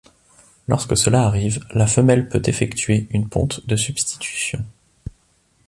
Lorsque cela arrive, la femelle peut effectuer une ponte de substitution.